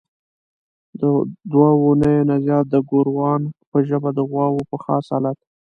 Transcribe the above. د دوو اونیو نه زیات د ګوروان په ژبه د غواوو په خاص الت.